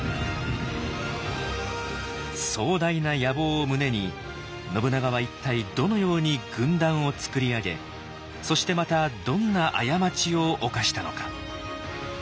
壮大な野望を胸に信長は一体どのように軍団をつくり上げそしてまたどんな過ちを犯したのか。